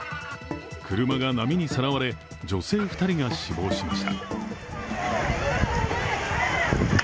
車が波にさらわれ、女性２人が死亡しました。